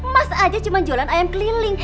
masa aja cuma jualan ayam keliling